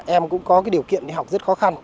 em cũng có điều kiện đi học rất khó khăn